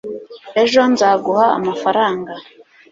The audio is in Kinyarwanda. ejo nzaguha amafaranga